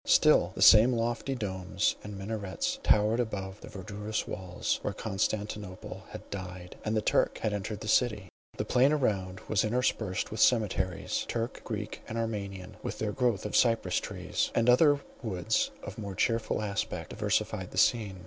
Still the same lofty domes and minarets towered above the verdurous walls, where Constantine had died, and the Turk had entered the city. The plain around was interspersed with cemeteries, Turk, Greek, and Armenian, with their growth of cypress trees; and other woods of more cheerful aspect, diversified the scene.